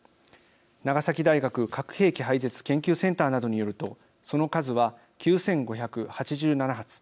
長崎大学核兵器廃絶研究センターなどによるとその数は９５８７発。